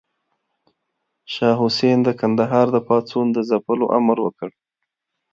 شاه حسين د کندهار د پاڅون د ځپلو امر وکړ.